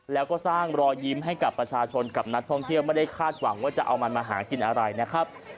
แล้วก็สร้างรอยยิ้มให้กับประชาชนกับนักท่องเที่ยวไม่ได้คาดหวังว่าจะเอามันมาหากินอะไรนะครับ